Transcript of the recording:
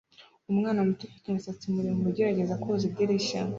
umwana muto ufite umusatsi muremure ugerageza koza idirishya